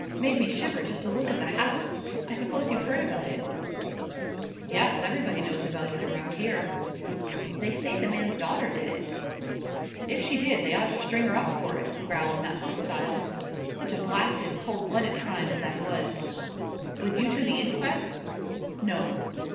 Made me shiver just to look at the house. I suppose you've heard about it?" "Yes, everybody knows about it around here." "They say the man's daughter did it." "If she did, they ought to string her up for it," growled Matlock Styles. "Such a blasted, cold blooded crime as that was. Was you to the inquest?" "No."